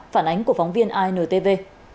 phản ánh của phóng viên intv